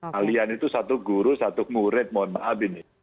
kalian itu satu guru satu murid mohon maaf ini